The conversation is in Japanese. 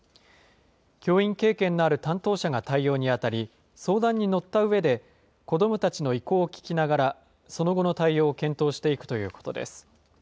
教員経験のある担当者が対応に当たり、相談に乗ったうえで、子どもたちの意向を聞きながらその後の対応を検討していくということです。